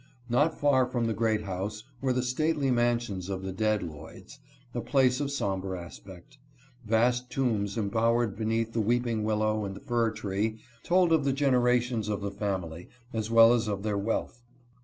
Not far from the great house were the stately mansions of the dead Lloyds — a place of somber aspect. Vast tombs, em bowered beneath the weeping willow and the fir tree, told of the generations of the family, as well as of their wealth.